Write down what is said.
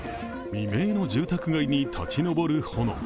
未明の住宅街に立ち上る炎。